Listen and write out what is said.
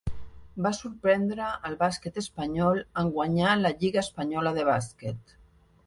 Va sorprendre el bàsquet espanyol en guanyar la lliga espanyola de bàsquet.